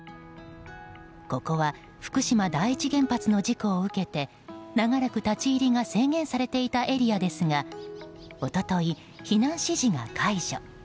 ここは福島第一原発の事故を受けて長らく立ち入りが制限されていたエリアですが一昨日、避難指示が解除。